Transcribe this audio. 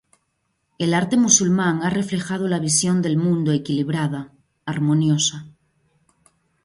El arte musulmán ha reflejado la visión del mundo equilibrada, armoniosa.